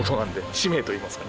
使命といいますかね。